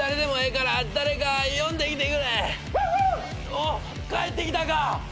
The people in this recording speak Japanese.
おっ帰ってきたか？